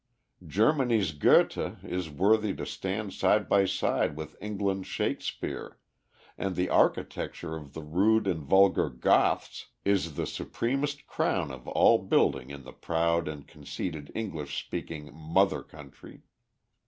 Germany's Goethe is worthy to stand side by side with England's Shakspere, and the architecture of the rude and vulgar "Goths" is the supremest crown of all building in the proud and conceited English speaking "Mother Country."